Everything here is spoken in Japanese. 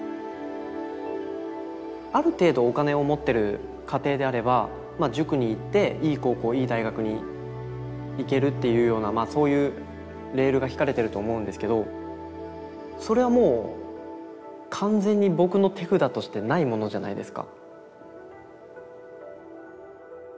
ある程度お金を持ってる家庭であれば塾に行っていい高校いい大学に行けるっていうようなそういうレールがひかれてると思うんですけどそれはもう完全に僕の手札としてないものじゃないですか。